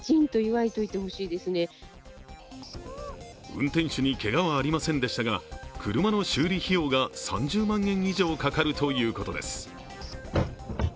運転手にけがはありませんでしたが、車の修理費用が３０万円以上かかるということです。